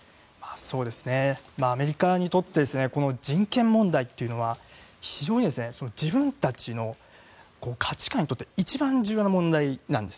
アメリカにとってこの人権問題っていうのは非常に自分たちの価値観にとって一番重要な問題なんです。